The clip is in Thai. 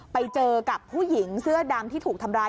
ไปเจอกับผู้หญิงเสื้อดำที่ถูกทำร้าย